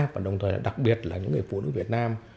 và đồng thời đặc biệt là những người phụ nữ việt nam